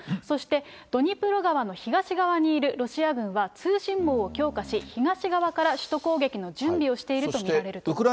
そしてドニプロ川の東側にいるロシア軍は通信網を強化し、東側から首都攻撃の準備をしていると見られると。